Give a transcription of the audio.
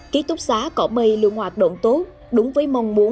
ký túc xá cỏ mây luôn hoạt động tốt